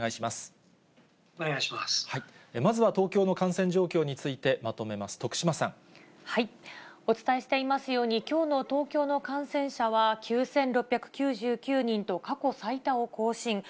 まずは東京の感染状況についお伝えしていますように、きょうの東京の感染者は９６９９人と、過去最多を更新。